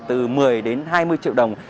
từ một mươi đến hai mươi triệu đồng